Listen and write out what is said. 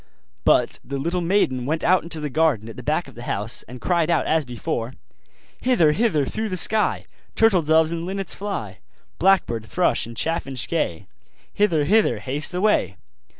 But the little maiden went out into the garden at the back of the house, and cried out as before: 'Hither, hither, through the sky, Turtle doves and linnets, fly! Blackbird, thrush, and chaffinch gay, Hither, hither, haste away!